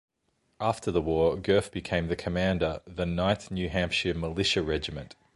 After the war, Goffe became the commander the Ninth New Hampshire Militia Regiment.